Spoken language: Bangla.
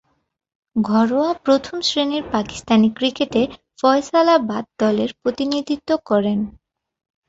ঘরোয়া প্রথম-শ্রেণীর পাকিস্তানি ক্রিকেটে ফয়সালাবাদ দলের প্রতিনিধিত্ব করেন।